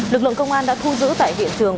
lực lượng công an đã thu giữ tại hiện trường